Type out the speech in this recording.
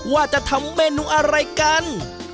ว่าจะทำเมนูอะไรกัน